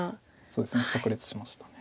そうですねさく裂しました。